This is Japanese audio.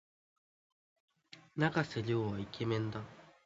永瀬廉はイケメンだ。